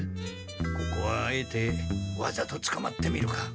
ここはあえてわざとつかまってみるか。